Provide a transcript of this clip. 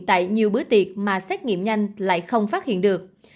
tại nhiều bữa tiệc mà xét nghiệm nhanh lại không phát hiện được